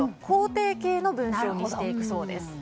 肯定系の文章にしていくそうです。